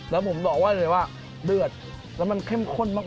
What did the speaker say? แล้วผมบอกได้เลยว่าเดือดแล้วมันเข้มข้นมาก